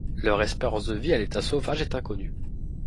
Leur espérance de vie à l'état sauvage est inconnue.